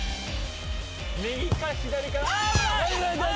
右か左か。